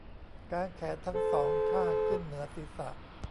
กางแขนทั้ง สอง ข้างขึ้นเหนือศีรษะ